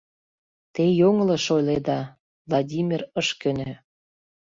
— Те йоҥылыш ойледа, — Владимир ыш кӧнӧ.